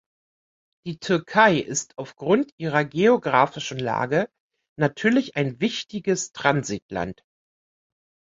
Die Türkei ist aufgrund ihrer geografischen Lage natürlich ein wichtiges Transitland.